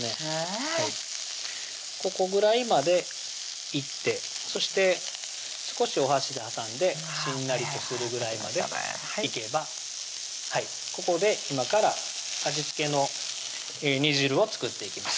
ここぐらいまでいってそして少しお箸で挟んでしんなりとするぐらいまでいけばここで今から味付けの煮汁を作っていきます